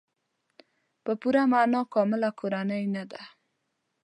په پوره معنا کامله کورنۍ نه ده.